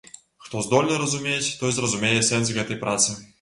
Хто здольны разумець, той зразумее сэнс гэтай працы.